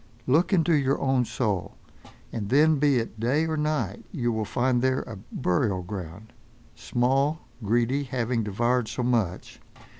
Look into your own soul, and then, be it day or night, you will find there a burial ground. Small greedy, having devoured so much!